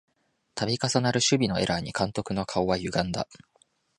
たび重なる守備のエラーに監督の顔はゆがんだ